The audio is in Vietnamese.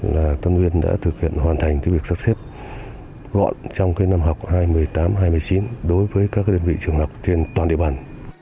là tâm nguyên đã thực hiện hoàn thành việc sắp xếp gọn trong năm học hai nghìn một mươi tám hai nghìn một mươi chín đối với các đơn vị trường học trên toàn địa bàn